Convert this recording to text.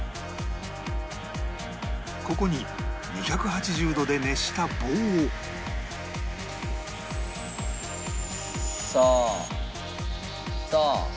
ここに２８０度で熱した棒をさあさあ。